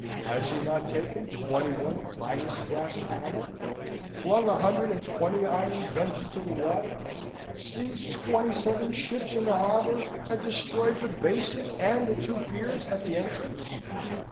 Has he not taken twenty one finest brass cannon; flung a hundred and twenty iron guns into the water, seized twenty seven ships in the harbour, and destroyed the basin and the two piers at the entrance?"